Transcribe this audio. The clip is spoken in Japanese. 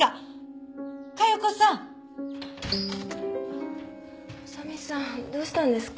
あさみさんどうしたんですか？